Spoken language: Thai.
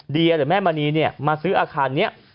เดียหรือแม่มณีมาซื้ออาคารนี้